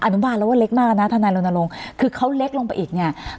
อนุบาลเราว่าเล็กมากนะท่านนายลูนาลงคือเขาเล็กลงไปอีกเนี่ย